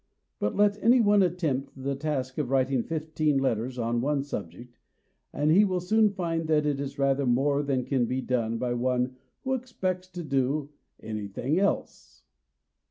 But, let any one attempt the task of writing fifteen letters on one subject, and he will soon find that it is rather more than can be done by one who expects to do any thing else.